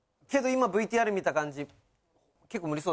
けど今ＶＴＲ見た感じ。